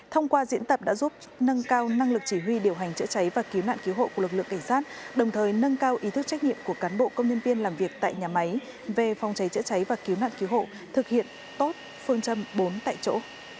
thông qua diễn tập đã giúp nâng cao năng lực chỉ huy điều hành chữa cháy và cứu nạn cứu hộ của lực lượng cảnh sát đồng thời nâng cao ý thức trách nhiệm của cán bộ công nhân viên làm việc tại nhà máy về phòng cháy chữa cháy và cứu nạn cứu hộ thực hiện tốt phương châm bốn tại chỗ